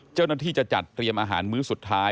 เจ้าหน้าที่จะจัดเตรียมอาหารมื้อสุดท้าย